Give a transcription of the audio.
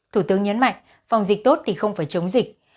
thủ tướng nhấn mạnh phòng dịch tốt thì không phải chống dịch